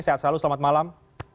sehat selalu selamat malam